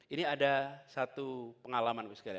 ini ada satu pengalaman